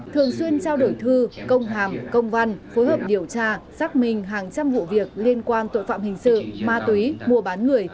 thường xuyên trao đổi thư công hàm công văn phối hợp điều tra xác minh hàng trăm vụ việc liên quan tội phạm hình sự ma túy mua bán người